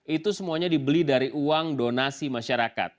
itu semuanya dibeli dari uang donasi masyarakat